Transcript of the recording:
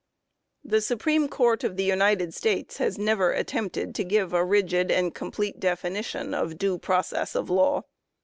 The Supreme Court of the United States has never attempted to give a rigid and complete definition of " due process of law